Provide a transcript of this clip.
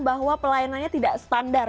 bahwa pelayanannya tidak standar